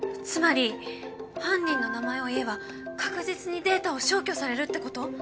つまり犯人の名前を言えば確実にデータを消去されるってこと？